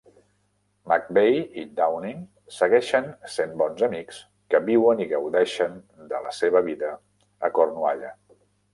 McVay i Downing segueixen sent bons amics que viuen i gaudeixen de la seva vida a Cornualla.